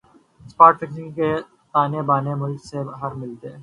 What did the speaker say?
spot fixing کے تانے بانے ملک سے باہر ملتےہیں